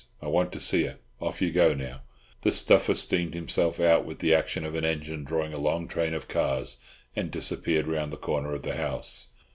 I want to see her. Off you go now." The Stuffer steamed himself out with the action of an engine drawing a long train of cars, and disappeared round the corner of the house.